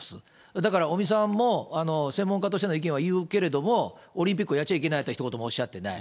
だから尾身さんも、専門家としての意見は言うけれども、オリンピックはやっちゃいけないとはひと言もおっしゃってない。